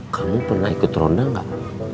kamu pernah ikut ronda nggak